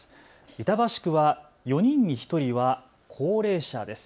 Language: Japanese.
板橋区は４人に１人は高齢者です。